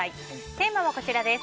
テーマはこちらです。